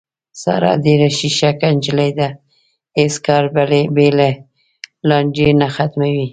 ساره ډېره شیشکه نجیلۍ ده، هېڅ کار بې له لانجې نه ختموي.